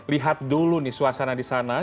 lihat dulu nih suasana di sana